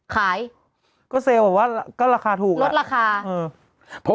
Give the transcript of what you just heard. แต่อาจจะส่งมาแต่อาจจะส่งมา